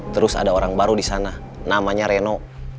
terus ada orang baru di sana namanya reno